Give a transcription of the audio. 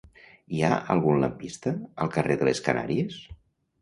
Hi ha algun lampista al carrer de les Canàries?